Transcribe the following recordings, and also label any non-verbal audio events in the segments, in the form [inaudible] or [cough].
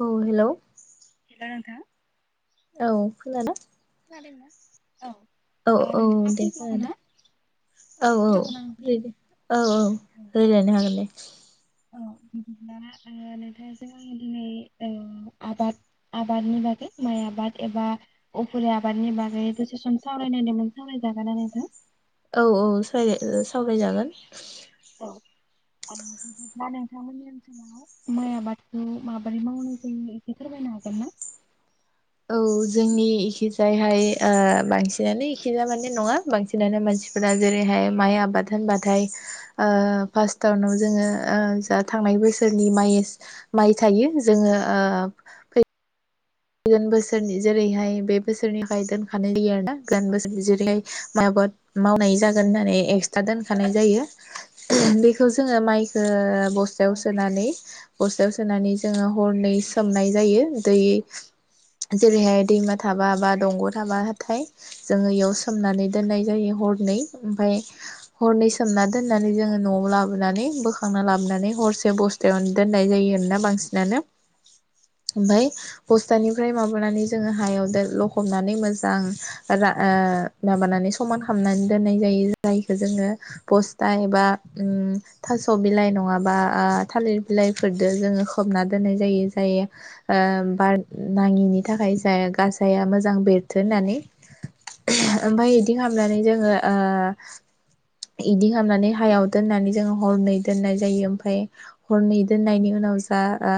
औ hello. Hello नोंथां। औ खोनादों। खोनादों ना। औ औ दे खोनादो औ औ दंना नोंथां? फ्रि दे औ औ रायलायनो हागोन दे। औ बिदिब्ला आङो नोंथांजों आङो दिनै ओ आबाद आबादनि बागै माइ आबाद एबा अफुरि आबादनि बागै दसे सम सावरायनायदोंमोन सावराय जागोनना नोंथां? औ औ सायराय-सावरायजागोन। दा नोंथांमोननि ओनसोलाव माइ आबादखौ माबोरै मावनाय जायो एसे फोरमायनो हागोन ना? औ जोंनि इखिजायहाय ओ बांसिनानो इखिजा माने नङा बांसिनानो मानसिफोरा जेरैहाय माइ आबाद होनबाथाय ओ फास्टावनो जोङो ओ जा थांनाय बोसोरनि माइ माइ थायो जोङो ओ। फैगोन बोसोरनि जेरैहाय बे बोसोरनिफ्राय दोनखानाय जायो आरोना गोदान बोसोर जेरैहाय माबाद मावनाय जागोन होननानै एक्सटा दोनखानाय जायो बेखौ जोङो माइखो औ बस्थायाव सोनानै बस्थायाव सोनानै जोङो हरनै सोमनाय जायो दै। जेरैहाय दैमा थाबा बा दंग' थाबाथाय जोङो इयाव सोमनानै दोननाय जायो हरनै ओमफाय हरनै सोमना दोननानै जोङो न'आव लाबोनानै बोखांना लाबोनानै हरसे बस्थायावनो दोननाय जायो आरोना बांसिनानो। औ ओमफाय हस निफ्राय माबानानै जोङो हायाव दो लखबनानै मोजां रा ओ माबानानै समान खामनानै दोननाय जायो जायखो जोङो बस्था एबा ओम थास' बिलाइ नङाबा आ थालिर बिलाइफोरदो जोङो खोबना दोननाय जायो जाय ओ बार नाङिनि थाखाय जायाग गासाया मोजां बेरथो होननानै। ओमफाय इदि खामनानै जोङो ओ इदि खामनानै हायाव दोननानै जोङो हरनै दोननाय जायो ओमफाय हरनै दोननायनि उनाव जा ओ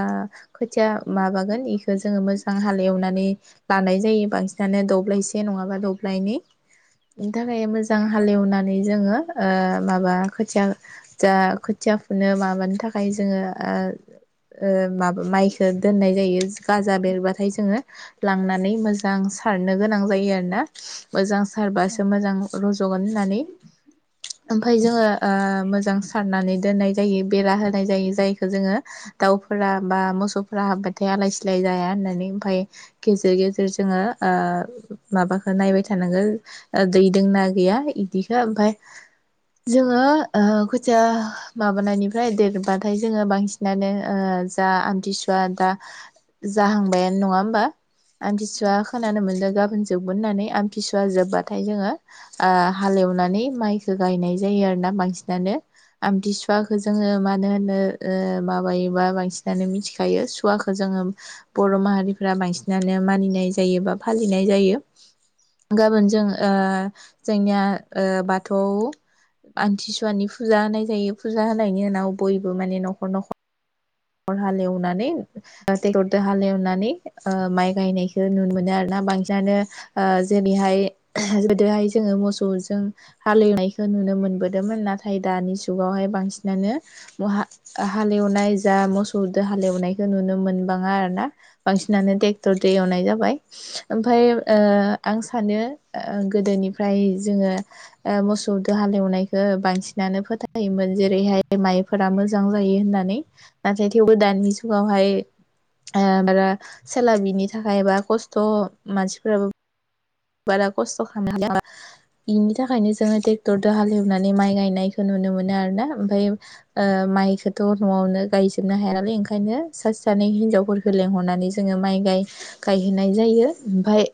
खोथिया माबागोन इख ओ जोङो मोजां हालेव नानै लानाय जायो बांसिनानो दब्लायसे नङाबा दब्लायनि इनि थाखाय मोज जां औ हालेवनानै जोङो ओ माबा खोथिया जा खोथिया फुनो माबानो थाखाय जोङो ओ ओ माबा माइखो दोननाय जायो। गाजा बेरबाथाय जोङो लांनानै मोजां सारनो गोनां जायो आरो ना मोजां सा औ सारबासो मोजां र'ज जगोन होननानै ओमफाय जोङो ओ मोजां सारनानै दोननाय जायो बेरा होनाय जायो जायखौ जोङो दाउफोरा बा मोसौफोरा हाबबाथाय आलाय सिलाय जाया होननानै ओमफाय गेजेर गेजेर जोङो ओ माबाखौ नायबाय थानांगो ओ दै दोंना गैया इदिखो ओमफाय जोङो ओ खुथिया माबानायनिफ्राय देरबाथाय जोङो बांसिनानो ओ जा आमथिसुवा दा जाहांबायानो नङा होमबा? आमथिसुवा खोनानो मोनदो गाबोनसो जोबगोन होननानै आमतिसुवा जोब्बाथाय जोङो ओ हालेवनानै माइखो गायनाय जायो आरोना बांसिनानो आमतिसुवाखो जोङो मानो होनो ओ माबायोबा बांसिनानो मिथिखायो सुवाखो जोङो बर' माहारिफ्रा बांसिनानो मानिनाय जायो बा फालिनाय जायो। गाबोन जों ओ जोंनिया ओ बाथौ आमथिसुवानि फुजा होनाय जायो फुजा होनायनि उनाव बयबो माने न'खर न'खर हालेवनानै टेक्टर दो हालेवनानै ओ माइ गायनायखौ नुनो मोनो आर ना बांसिनानो ओ जेरैहाय गोदोहाय जोङो मोसौजों हालेवनायखौ नुनो मोनबोदोंमोन नाथाय दानि जुगावहाय बांसिनानो हआ हालेवनाय जा मोसौदो हालेवनायखौ नुनो मोन बाङा आरो ना बांसिन फिनानै ट्रेक्टर दै एवनाय जाबाय। ओमफ्राय ओ आं सानो। ओ गोदोनिफ्राय जोङो ओ मोसौ दो हालेवनायखौ बांसिनानो फोथायोमोन जेरैहाय माइफोरा मोजां जायो होननानै नाथाय थेवबो दानि जुगावहाय बारा सोला बिनि थाखाय बा खस्थ' मानसिफोराबो। बारा खस्थ' खालामनानै बिनि थाखायनो जोङो ट्रेक्टरो हालेवनानै माइ गायनाय। खौ नुनो मोनो आरोना ओमफफ्राय ओ माइखौथ' न'आवनो गायजोबनो हायालै ओंखायनो सा सानै हिनजावफोरख लेंहरनानै जोङो माइ गायहोनाय जायो ओमफाय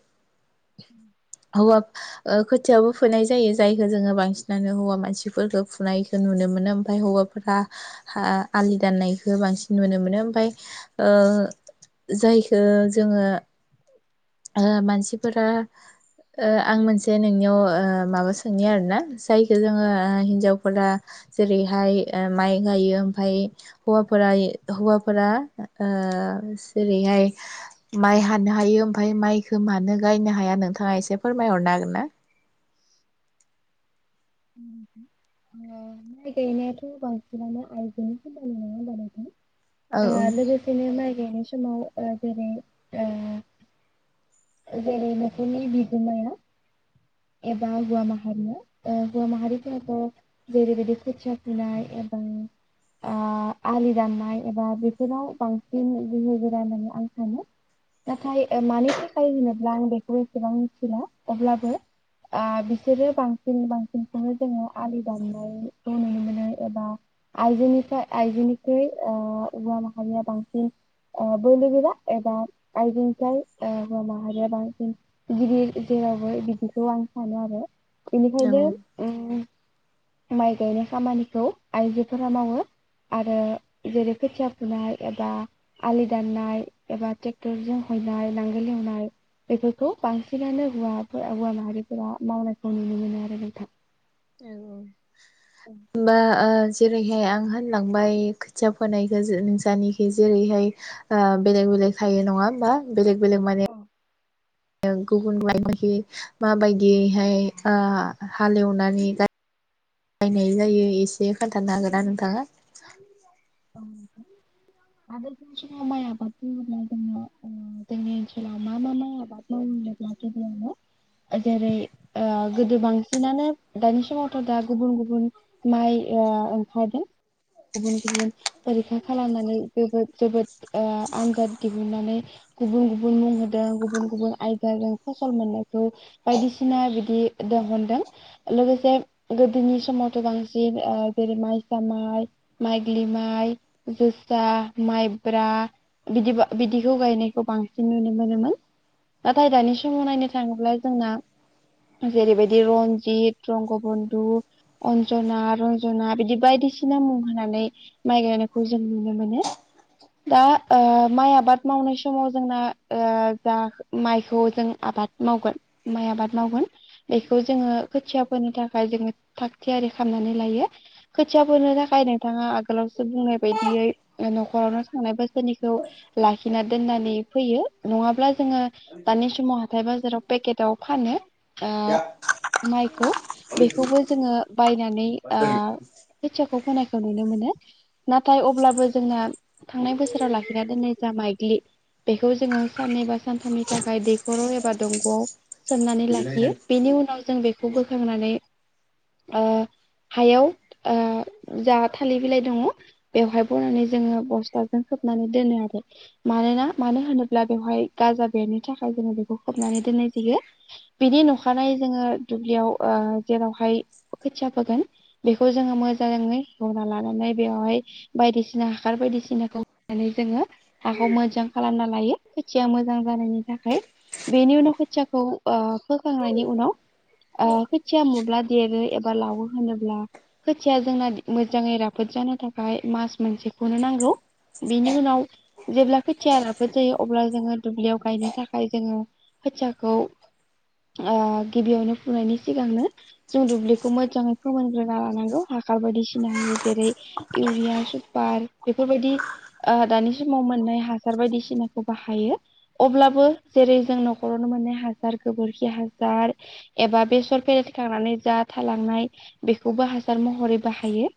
औ ओ खोथियावबो फोनाय जायो जायखौ जोङो बांसिनानो हौवा मानसिफोरफोरखौ फुनायखौ नुनो मोनो ओमफाय हौवाफोरा ओ आलि दाननायखौ बांसिन नुनो मोनो ओमफाय ओ जायखौ जोङो ओ मानसिफोरा ओ आं मोनसे नोंनियाव ओ माबा सोंनि आरोना जायखौ जोङो? ओ हिन्जावफोरा जेरैहाय माइ ओ गायो ओमफ्राय हौफोरा हौवाफोरा ओ जेरैहाय माइ हानो हायो ओमफ्रायाय माइखौ मानो गायनो हाया ना? नोंथाङा एसे फोरमायहरनो हागोन ना? माइ गायनायाथ' बांसिनानो आइजोनि खामानि नङा होनबा नोंथां? औ औ ओ लोगोसेनो माइ गाइनाय समाव समाव ओ जेरै ओ जेरै नख'रनि बिगोमाया। एबा हौवा माहारिया ओ हौवा माहारिफोराथ' जेरैबायदि खोथिया फुनाय एबा आ आलि दाननाय एबा बेफोराव बांसिन गोहो गोरा होननानै आं सानो नाथाय ओ मानि थाखाय होनोब्ला आं बेखौ एसेबां मिथिला अब्लाबो आ बिसोरो बांसिन बांसिनखौनो जोङो आलि दामनायखौ नुनो मोनो एबा आइजोनिफ्राय आइजोनिख्रुइ ओ हवा माहारिया बांसिन ओ बोलो गोरा एबा आइजोनिफ्राय ओ हवा माहारिया बांसिन गिदिर जेरावबो बिदि बेखौ आं सानो आरो। औ बेनिखायनो ओं माइ गायनाय खामानिखौ आइजोफोरा मावो आरो जेरै खोथिया फुनाय एबा आलि दाननाय एबा ट्रेक्टरजों हयनाय नांगोल एवनाय बेफोरखौ बांसिनानो हौवाफोरा हौवा माहारि। बेफोरा मावनाय खौ नुनो मोनो आरो नोंथां। औ बा ओ जेरैहाय आं होनलांबाय खोथिया फोनायखौ नोंसानखि जेरैहाय ओ बेलेग बेलेग थायो नङा होमबा बेलेग बेलेग माने? औ गुबुन बाय दि माबायदियैहाय ओ हालेवनानै जायो हालेवनाय जायो एसे खोन्थानो हागोना नोंथाङा? आगोल फोरनि समाव माइ आबाद मावोब्ला जोङो ओ जोंनि ओनसोलाव मा मा माइ आबाद मावोब्ला गिबियावनो जेरै ओ गोदो बांसिनानो दानि समावथ' दा गुबुन गुबुन माइ ओह ओंखारदों गुबुन गुबुन फरिखा खालामनानै जोबोद जोबोद ए आनजाद दिहुननानै गुबुन गुबुन मुं होदों गुबुन गुबुन आयदाजों फसल मोननायखौ बायदिसिना बिदि दिहुनदों लोगोसे गोदोनि समावथ' बांसिन ओ जेरै माइसा माइ माइग्लि माइ माइ जोसा माइब्रा बिदि बिदिखौ गायनायखौ बांसिन नुनो मोनोमोन। नाथाय दानि समाव नायनो थाङोब्ला जोंना जेरैबायदि रन्जित रंगबन्धु अन्जना रन्जना बिदि बायदिसिना मुं होनानै माइ गायनायखौ जों नुनो मोनो दा ओ माइ आबाद मावनाय समाव जोंना ओ जा माइखौ जों आबाद मावगोन माइ आबाद मावगोन बेखौ जोङो खोथियाफोरनि थाखाय जोङो थाग थियारि खालामनानै लायो खोथियाफोरनि थाखाय नोंथाङा? खालाव बुंनाय बायदियै ओ न'खरावनो थांनाय बोसोरनिखौ लाखिनानै दोननानै फैयो नङाब्ला जोङो दानि समाव हाथाय बाजाराव पेकेटाव फानो। आ माइखौ बेखौबो जोङो बाय नानै आं खोथियाखौ फोनाय नुनो मोनो। नाथाय अब्लाबो जोंना थांनाय बोसोराव लाखिना दोननाय जा माइग्लि बेखौ जोङो साननै बा सानथामनि थाखाय दैखराव एबा दंग'आव सोमनानै लाखियो। बेनि उनाव जों बेखौ बोखांनानै ओ हायाव ओ जा थालिर बिलाइ दङ बेवहाय बनानै जोङो बस्थाजों खोबनानै दोनो आरो मोना मानो होनोब्ला बेवहाय गाजा बेरनो थाखाय जोङो बेखौ खोबनानै दोननाय जायो। बिनि नखानायै जोङो दुब्लियाव ओ जेरावहाय खोथिया फोगोन बेखौ जोङो मोजांङै एवना लानानै बेवहाय बायदिसिना हाखर बायदिसिनाखौनानै जोङो हाखौ मोजां खालामना लायो खोथिया मोजां जानायनि थाखाय। बेनि उनाव खोथियाखौ ओ फोखांनायनि उनाव ओ खोथिया मुब्ला देरो एबा लावो होनोब्ला खोथिया जोंना मोजाङै रा फोद जानो थाखाय मास मोनसेखौनो नांगौ बेनि उनाव जेब्ला खोथिया राफोद जायो अब्ला जोङो दुब्लियाव गायनो थाखाय जोङो खोथियाखौ ओ गिबियावनो फुनायनि सिगांनो जों दुब्लिखौ मोजाङै फोमोनग्रोना लानांगौ हाखार बायदिसिना होयो जेरै इउरिया सुपार बेफोरबायदि ओ दानि समाव मोननाय हासार बायदिसिनाखौ बाहायो अब्लाबो जेरै जों न'खरावनो मोननाय हासार गोबोरखि हासार एबा बेसर फेरेखांनानै जा थालांनाय बेखौबो हासार महरै बाहायो।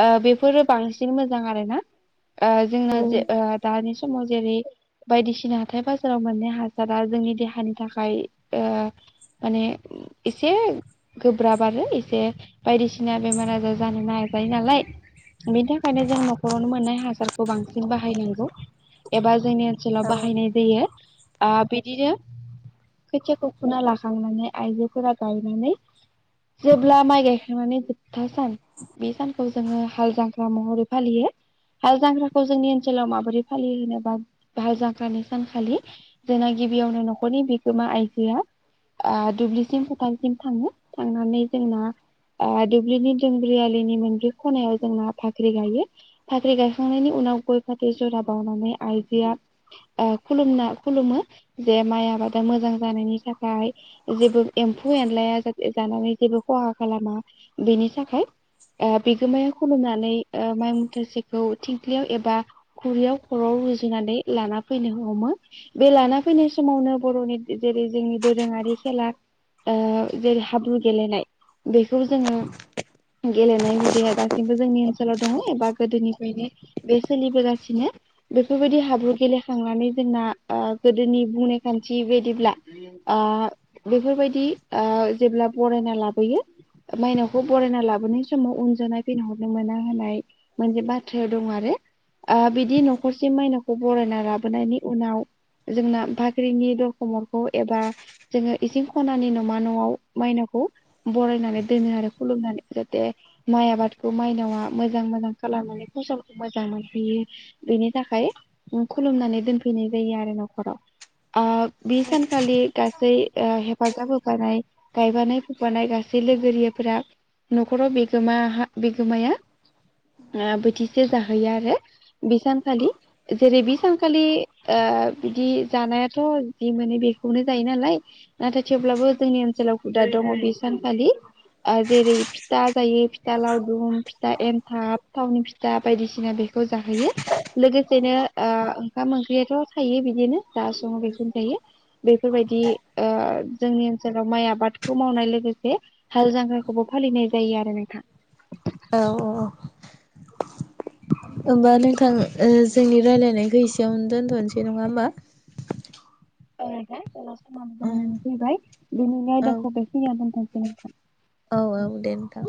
ओ बेफोरो बांसिन मोजां आरो ना। ओ जोंना जे ओ दानि समाव जेरै बायदिसिना हाथाय बाजाराव मोननाय हासारा जोंनि देहानि थाखाय ओ माने एसे गोब्राब आरो एसे बायदिसिना बेमार आजार जानो नागेरबाय नालाय बेनि थाखायनो जों न'खरावनो मोननाय हासारखौ बांसिन बाहायनांगौ एबा जोंनि ओनसोलाव औ बाहायनाय जायो। ओ बिदिनो खोथियाखौ फुना लाखांनानै आइजोफोरा गायनानै जेब्ला माइ गायखांनानै जोबथा सान बे सान खौ जोङो हाल जांख्रा महरै फालियो। हाल जांख्राखौ जोंनि ओनसोलाव माबोरै फालियो होनोबा? हाल जांख्रानि सानखालि जोंना गिबियावनो न'खरनि बिगोमा आइजोआ ओ दुब्लिसिम फोथारसिम थाङो थांनानै जोंना ओ दुब्लिनि दोंब्रै आलिनि मोनब्रै खनायाव जोंना फाख्रि गायो फाख्रि गायखांनायनि उनाव गय फाथै जरा बावनानै आइजोआ ओ खुुलुमना खुलुमो जे माइ आबादा मोजां जानायनि थाखाय जेबो एम्फौ एनलाया जाथे जानानै जेबो खहा खालामा बेनि थाखाय ओ बिगोमाया खुलुमनानै ओ माइ मुथासेखौ थिंख्लियाव एबा खुरैयाव खर'आव रुजुनानै लाना फैनो हमो बे लाना फैनाय समावनो बर'नि जेरै जोंनि दोरोङारि खेला ओ जेरै हाब्रु गेलेनाय बेखौ जोङो गेलेनाय हु दासिमबो जोंनि ओनसोलाव दङ एबा गोदोनिफ्रायनो बे सोलिबोगासिनो बेफोरबायदि हाब्रु गेलेखांनानै जोंना ओ गोदोनि बुंनाय खान्थि बायदिब्ला आ बेफोरबायदि आ जेब्ला बरायना लाबोयो मायनावखौ बरायना लाबोनाय समाव उन नायफिनहरनो मोना होनाय मोनसे बाथ्राया दं आरो। आ बिदि न'खरसिम माइनाावखौ बरायना लाबोनायनि उनाव जोंना बाख्रिनि दरखं मोखाङाव एबा जोङो इसिं खनानि नमा न'आव माइनावखौ बरायनानै दोनो आरो खुलुमनानै जाहाथे माइ आबादखौ माइनावा मोजां मोजां खालामनानै फसलखौ मोजां मोनहैयो बेनि थाखाय खुलुमनानै दोनफैनाय जायो आरो न'खराव। ओ बे सानखालि गासै ओ हे फाजाब होफानाय गायफानाय फुफानाय गासै लोगोरिफोरा न'खराव जमाहा बिगोमाया ओ बोथिसे जाहोयो आरो बि सानखालि जेरै बि सानखालि ओ बिदि जानायाथ' जि मोनो बेखौनो जायो नालाय नाथाय थेवब्लाबो जोंनि ओनसोलाव हुदा दङ बे सानखालि ओ जेरै फिथा जायो फिथा लावदुम फिथा एन्थाब थावनि फिथा बायदिसिना बेखौ जाहोयो। लोगोसेनो ओ ओंखाम ओंख्रियाथ' थायो बिदिनो जा सङो बेखौनो जायो‌। बेफोरबायदि ओ जोंनि ओनसोलाव माइ आबादखौ मावनाय लोगोसे हाल जांग्राखौबो फालिनाय जायो आरो नोंथां। औ औ औ। होमबा नोंथां ओ जोंनि रायलायनायखौ एसेयावनो दोनथ'नोसै नङा होमबा? [unintelligible] जोंना समाबो ओं जानानैनानै फैबाय दिनैनि आयदाखौ बेखिनियाव दोनथ'नोसै औ नोंथां। औ दे नोंथां।